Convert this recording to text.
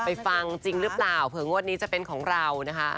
ฟังจริงหรือเปล่าเผื่องวดนี้จะเป็นของเรานะคะ